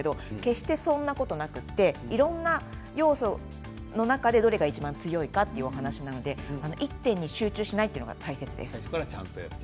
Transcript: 決して、そんなことはなくていろんな要素の中でどれがいちばん強いかということなので一点に集中しないということが大切です。